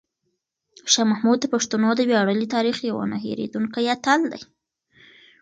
شاه محمود د پښتنو د ویاړلي تاریخ یو نه هېرېدونکی اتل دی.